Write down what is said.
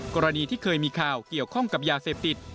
กรณีที่เคยมีข่าวเกี่ยวข้องกับยาเสพติด